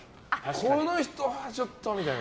この人はちょっとみたいな。